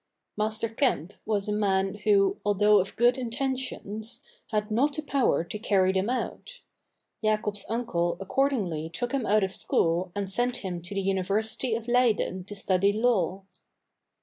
Master Kemp was a man who, although of good intentions, had not the power to carry them out; Jacob's uncle accordingly took him out of school and sent him to the University of Leyden to study law.